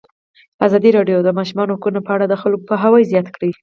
ازادي راډیو د د ماشومانو حقونه په اړه د خلکو پوهاوی زیات کړی.